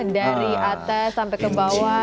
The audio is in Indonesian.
dari atas sampai ke bawah